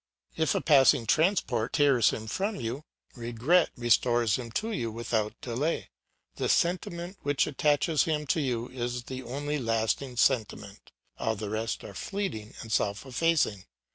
If a passing transport tears him from you, regret restores him to you without delay; the sentiment which attaches him to you is the only lasting sentiment, all the rest are fleeting and self effacing.